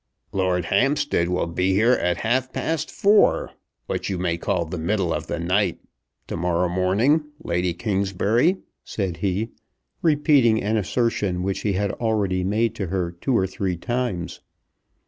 "Lord Hampstead will be here at half past four what you may call the middle of the night to morrow morning, Lady Kingsbury," said he, repeating an assertion which he had already made to her two or three times.